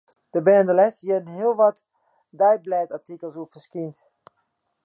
Dêr binne de lêste jierren hiel wat deiblêdartikels oer ferskynd.